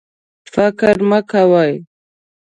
فکر مه کوئ